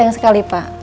sayang sekali pak